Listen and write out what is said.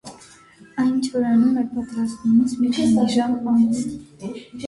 Այն չորանում է պատրաստումից մի քանի ժամ անց։